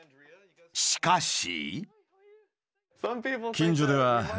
しかし。